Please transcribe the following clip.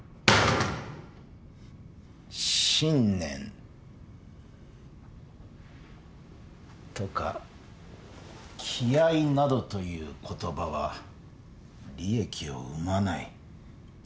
「信念」とか「気合」などという言葉は利益を生まない。